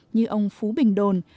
như ông phú bình đồn